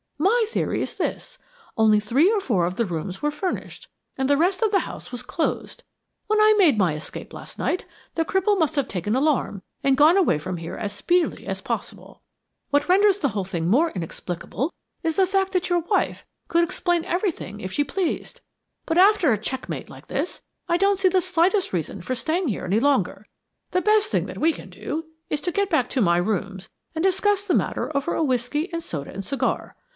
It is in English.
My theory is this only three or four of the rooms were furnished, and the rest of the house was closed. When I made my escape last night, the cripple must have taken alarm and gone away from here as speedily as possible. What renders the whole thing more inexplicable is the fact that your wife could explain everything if she pleased. But after a check mate like this, I don't see the slightest reason for staying here any longer. The best thing we can do is to get back to my rooms and discuss the matter over a whiskey and soda and cigar.